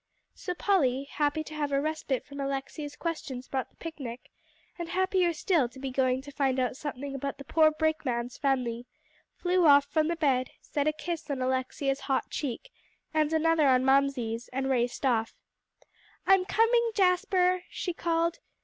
So Polly, happy to have a respite from Alexia's questions about the picnic, and happier still to be going to find out something about the poor brakeman's family, flew off from the bed, set a kiss on Alexia's hot cheek, and another on Mamsie's, and raced off. "I'm coming, Jasper," she called.